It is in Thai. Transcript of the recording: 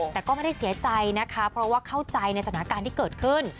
แต่ก็ไม่ได้เสียใจนะคะเพราะว่าเข้าใจในสถานการณ์ที่เกิดขึ้น